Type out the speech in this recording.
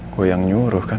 gue yang nyuruh kan